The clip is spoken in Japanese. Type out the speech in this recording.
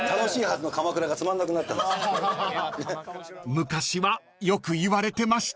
［昔はよくいわれてました］